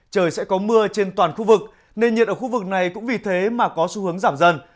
trời sẽ có mưa trên toàn khu vực nền nhiệt ở khu vực này cũng vì thế mà có xu hướng giảm dần